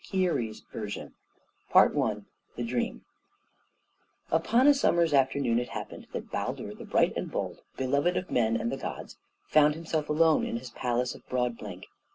KEARY'S VERSION I THE DREAM Upon a summer's afternoon it happened that Baldur the Bright and Bold, beloved of men and the gods, found himself alone in his palace of Broadblink.